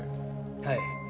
はい。